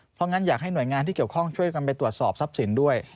เพราะงั้นอยากให้หน่วยงานที่เกี่ยวข้องช่วยกันไปตรวจสอบทรัพย์สินด้วย